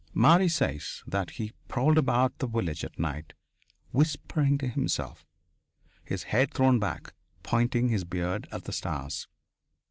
Marie says that he prowled about the village at night, whispering to himself, his head thrown back, pointing his beard at the stars.